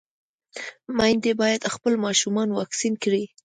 ميندې بايد خپل ماشومان واکسين کړي.